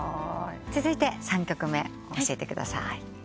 続いて３曲目教えてください。